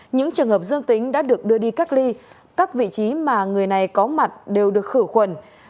những trường hợp dương tính đã được đưa đi cách ly các vị trí mà người này có mặt đều được khử khuẩn